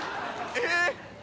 えっ？